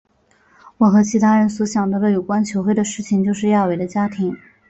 我和其他人所想到有关球会的事情就是亚维的家庭。